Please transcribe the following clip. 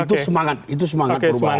itu semangat itu semangat perubahan